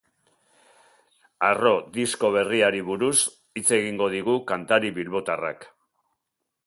Harro disko berriari buruz hitz egingo digu kantari bilbotarrak.